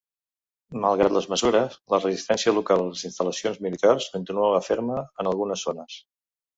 Malgrat les mesures, la resistència local a les instal·lacions militars continuava ferma en algunes zones.